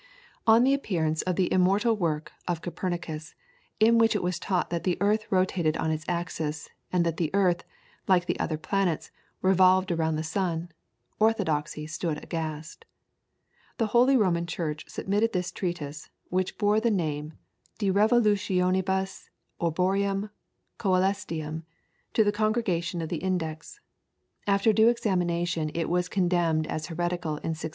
On the appearance of the immortal work of Copernicus, in which it was taught that the earth rotated on its axis, and that the earth, like the other planets, revolved round the sun, orthodoxy stood aghast. The Holy Roman Church submitted this treatise, which bore the name "De Revolutionibus Orbium Coelestium," to the Congregation of the Index. After due examination it was condemned as heretical in 1615.